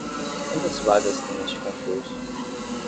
Quantas vagas tem este concurso?